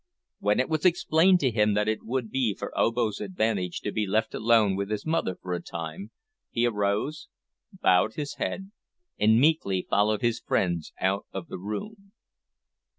When it was explained to him that it would be for Obo's advantage to be left alone with his mother for a time, he arose, bowed his head, and meekly followed his friends out of the room.